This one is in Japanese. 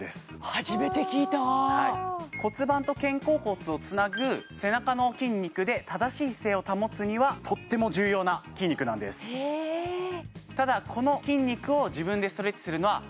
初めて聞いた骨盤と肩甲骨をつなぐ背中の筋肉で正しい姿勢を保つにはとっても重要な筋肉なんですただあっそうなの？